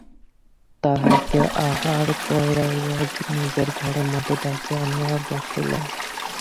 তাহাকে আহার করাইয়া নিজের ঘরের মধ্যে ডাকিয়া আনিয়া বসাইলেন।